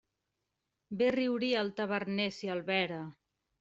Bé riuria el taverner si el vera!